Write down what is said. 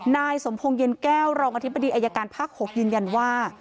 นายสมพงษ์เย็นแก้วรองอธิบดีอายการภาค๖ยืนยันว่า